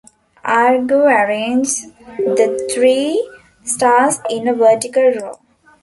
Aargau arranges the three stars in a vertical row.